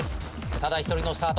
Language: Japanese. ただ一人のスタート。